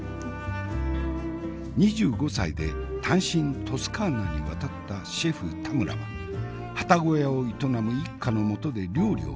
２５歳で単身トスカーナに渡ったシェフ田村ははたご屋を営む一家のもとで料理を学んだ。